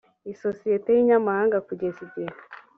isosiyete y inyamahanga kugeza igihe